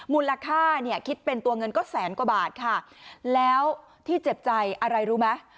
มูลค่าเนี่ยคิดเป็นตัวเงินก็แสนกว่าบาทค่ะแล้วที่เจ็บใจอะไรรู้ไหม